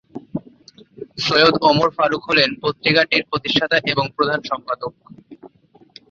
সৈয়দ ওমর ফারুক হলেন পত্রিকাটির প্রতিষ্ঠাতা এবং প্রধান সম্পাদক।